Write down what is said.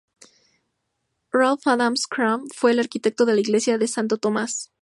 Ralph Adams Cram fue el arquitecto de la Iglesia de Santo Tomás.